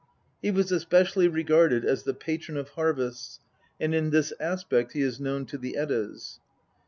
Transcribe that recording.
He was especially regarded as the patron of harvests, and in this aspect he is known to the Eddas.